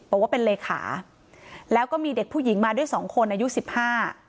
บอกว่าเป็นเลขาแล้วก็มีเด็กผู้หญิงมาด้วยสองคนอายุสิบห้า